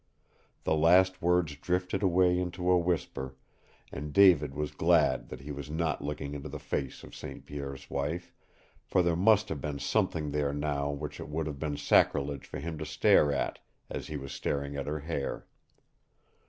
The last words drifted away into a whisper, and David was glad that he was not looking into the face of St. Pierre's wife, for there must have been something there now which it would have been sacrilege for him to stare at, as he was staring at her hair.